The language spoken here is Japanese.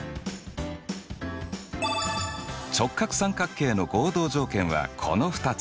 直角三角形の合同条件はこの２つ。